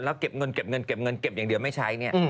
แล้วเก็บเงินอย่างเดียวไม่ใช้เนี่ย